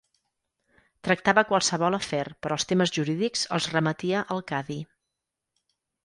Tractava qualsevol afer però els temes jurídics els remetia al cadi.